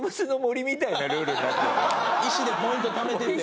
石でポイントためていって。